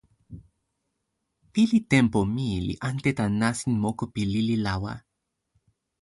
pilin tenpo mi li ante tan nasin moku pi lili lawa.